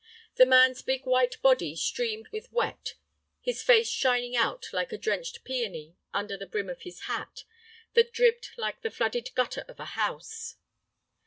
The man's big white body streamed with wet, his face shining out like a drenched peony under the brim of his hat, that dripped like the flooded gutter of a house.